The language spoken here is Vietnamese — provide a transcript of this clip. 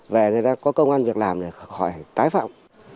về người ta có công an việc làm để khỏi tái phạm